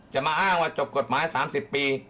จะมาอ้างว่าจบกฎหมาย๓๐ปี